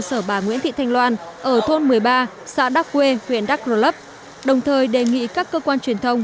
sở bà nguyễn thị thanh loan ở thôn một mươi ba xã đắk quê huyện đắk rồ lấp đồng thời đề nghị các cơ quan